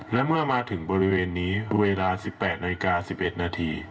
และเมื่อมาถึงบริเวณนี้เวลา๑๘นาฬิกา๑๑นาที